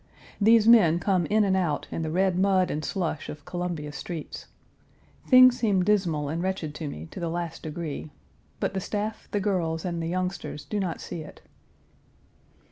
These men come in and out in the red mud and slush of Columbia streets. Things seem dismal and wretched to me to the last degree, but the staff, the girls, and the youngsters do not see it.